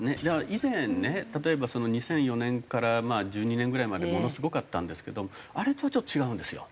以前ね例えば２００４年から２０１２年ぐらいまでものすごかったんですけどあれとはちょっと違うんですよ。